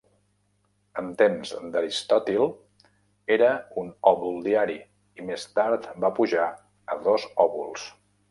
En temps d'Aristòtil era un òbol diari, i més tard va pujar a dos òbols.